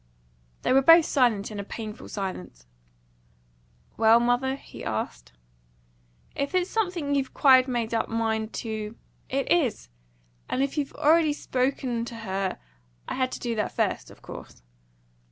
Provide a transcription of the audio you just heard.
They were both silent in a painful silence. "Well, mother?" he asked at last. "If it's something you've quite made up mind to " "It is!" "And if you've already spoken to her " "I had to do that first, of course."